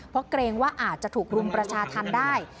เพราะเกรงว่าอาจจะถูกรุมประชาธรรมได้